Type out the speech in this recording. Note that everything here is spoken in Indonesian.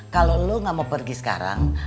kalo lo ga mau pergi sekarang